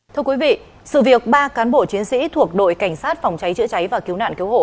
thưa quý vị sự việc ba cán bộ chiến sĩ thuộc đội cảnh sát phòng cháy chữa cháy và cứu nạn cứu hộ